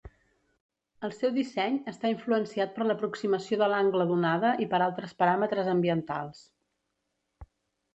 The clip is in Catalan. El seu disseny està influenciat per l'aproximació de l'angle d'onada i per altres paràmetres ambientals.